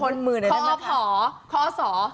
ขอยุ่มมือหน่อยได้มั้ยคะค้าพ่อค้าสาว